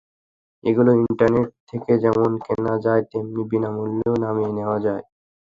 এগুলো ইন্টারনেট থেকে যেমন কেনা যায়, তেমনি বিনা মূল্যেও নামিয়ে নেওয়া যায়।